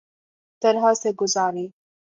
طرح سے گزاری